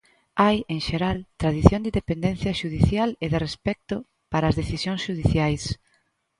Hai, en xeral, tradición de independencia xudicial e de respecto para as decisións xudiciais.